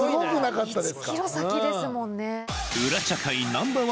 １ｋｍ先ですもんね。